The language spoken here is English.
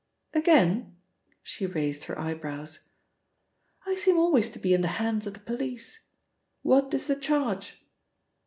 "Again?" she raised her eyebrows. "I seem always to be in the hands of the police. What is the charge?"